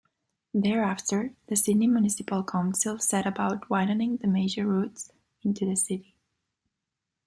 Thereafter, the Sydney Municipal Council set about widening the major routes into the city.